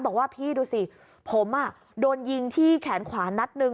บอกว่าพี่ดูสิผมโดนยิงที่แขนขวานัดหนึ่ง